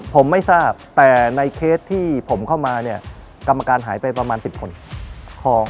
ผมไม่ทราบแต่ในเคสที่ผมเข้ามาเนี่ยกรรมการหายไปประมาณ๑๐คน